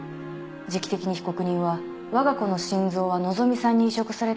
時期的に被告人はわが子の心臓は希美さんに移植されたと気付いた。